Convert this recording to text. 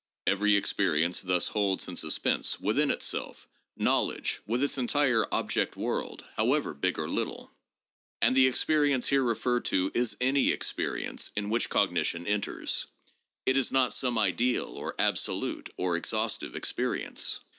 Every experience thus holds in suspense within itself knowledge with its entire object world, however big or little. And the experience here referred to is any experience in which cognition enters. It is not some ideal, or absolute, or exhaustive experience.